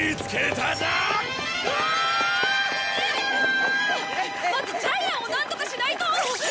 まずジャイアンをなんとかしないと！